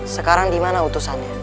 sekarang dimana utusannya